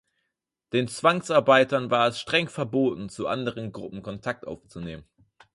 Den Zwangsarbeitern war es streng verboten, zu anderen Gruppen Kontakt aufzunehmen.